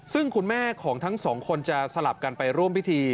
ซึ่งคุณแม่ของทั้งสองคนจะสลับกันไปร่วมพิธี